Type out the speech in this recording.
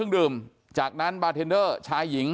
อยู่ดีมาตายแบบเปลือยคาห้องน้ำได้ยังไง